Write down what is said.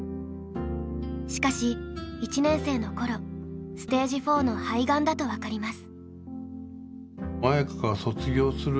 しかし１年生のころステージ４の肺がんだと分かります。